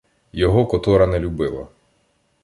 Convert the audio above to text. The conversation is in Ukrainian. Його котора не любила